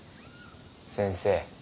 先生。